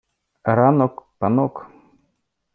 ранок – панок